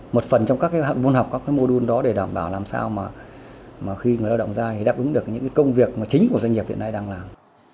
một phần trong các hạn văn học các cái mô đun đó để đảm bảo làm sao mà khi người lao động ra thì đáp ứng được những công việc chính của doanh nghiệp hiện nay đang làm